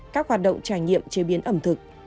các hoạt động trải nghiệm chế biến ẩm thực